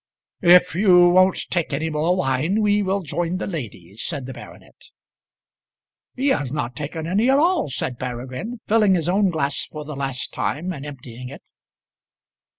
"If you won't take any more wine we will join the ladies," said the baronet. "He has not taken any at all," said Peregrine, filling his own glass for the last time and emptying it.